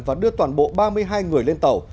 và đưa toàn bộ ba mươi hai người lên tàu